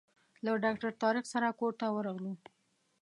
له ډاکټر طارق سره کور ته ورغلو.